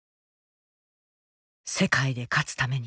世界で勝つために。